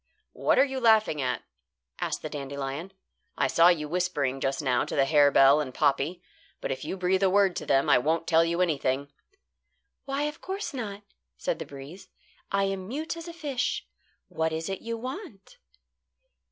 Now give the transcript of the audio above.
"What are you laughing at?" asked the dandelion. "I saw you whispering just now to the harebell and poppy; but if you breathe a word to them, I won't tell you anything." "Why, of course not," said the breeze. "I am mute as a fish. What is it you want?"